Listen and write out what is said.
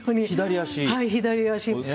左足。